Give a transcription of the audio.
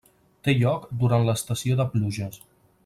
Té lloc durant l'estació de pluges.